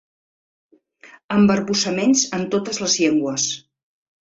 Embarbussaments en totes les llengües.